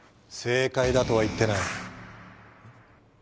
正解だとは言ってない。